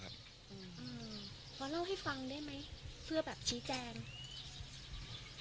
อืมขอเล่าให้ฟังได้ไหมเพื่อแบบชี้แจง